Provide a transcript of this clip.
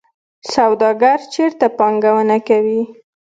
سوداګر چیرته پانګونه کوي؟